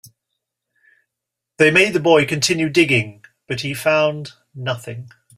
They made the boy continue digging, but he found nothing.